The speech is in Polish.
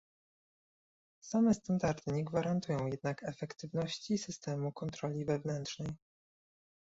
Same standardy nie gwarantują jednak efektywności systemu kontroli wewnętrznej